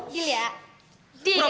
deal ya deal ya